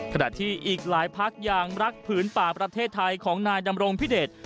ขณะที่อีกหลายพักอย่างรักผืนป่าประเทศไทยของนายดำรงพิเดช